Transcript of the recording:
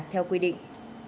theo quy định